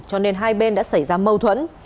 cho nên hai bên đã xảy ra mâu thuẫn